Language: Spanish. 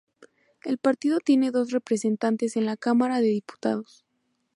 El partido tiene dos representantes en la Cámara de Diputados.